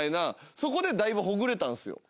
そこでだいぶほぐれたんですよ。